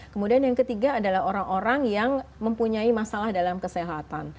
kemudian yang ketiga adalah orang orang yang mempunyai masalah dalam kesehatan